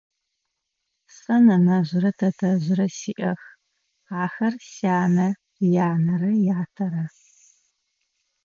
Сэ нэнэжърэ тэтэжърэ сиӏэх, ахэр сянэ янэрэ ятэрэ.